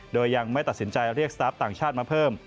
โดยยังไม่ตัดสินใจเรียกสตาร์ฟต่างชาติมาเพิ่ม